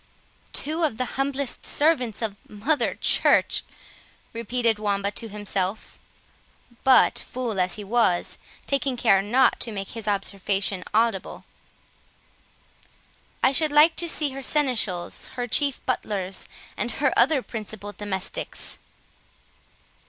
"Two of the humblest servants of Mother Church!" repeated Wamba to himself,—but, fool as he was, taking care not to make his observation audible; "I should like to see her seneschals, her chief butlers, and other principal domestics!"